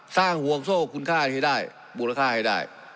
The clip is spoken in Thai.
ห่วงโซ่คุณค่าให้ได้มูลค่าให้ได้